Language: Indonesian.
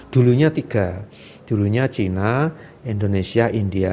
dulunya tiga dulunya china indonesia india